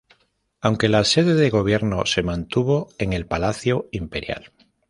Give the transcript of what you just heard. Aunque la sede de gobierno se mantuvo en el Palacio Imperial.